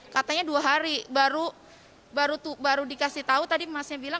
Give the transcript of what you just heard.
katanya dua hari baru dikasih tahu tadi masnya bilang